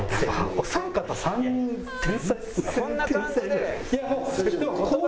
お三方３人天才ですね。